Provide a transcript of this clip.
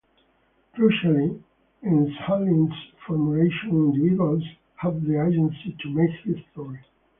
Crucially, in Sahlins's formulation, individuals have the agency to make history.